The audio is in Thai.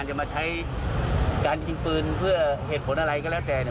หากถ้ายังไม่เห็นไปนายไม่ออกมานะครับ